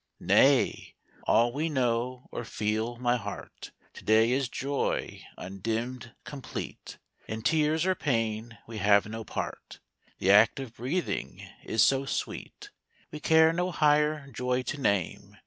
Nay! all we know, or feel, my heart, To day is joy undimmed, complete; In tears or pain we have no part; The act of breathing is so sweet, We care no higher joy to name.